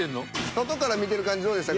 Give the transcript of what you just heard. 外から見てる感じどうでした？